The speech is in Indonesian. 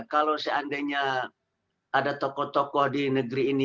kalau seandainya ada tokoh tokoh di negeri ini